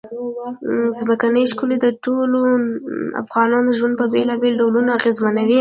ځمکنی شکل د ټولو افغانانو ژوند په بېلابېلو ډولونو اغېزمنوي.